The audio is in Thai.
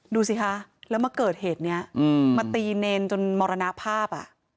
ดูสิคะแล้วมาเกิดเหตุนี้มาตีเนรจนมรณภาพ